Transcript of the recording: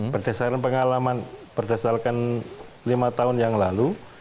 berdasarkan pengalaman berdasarkan lima tahun yang lalu